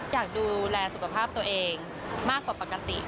อยากดูแลสุขภาพตัวเองมากกว่าปกติ